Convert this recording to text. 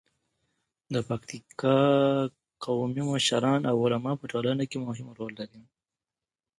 د پکتیکا قومي مشران او علما په ټولنه کې مهم رول لري.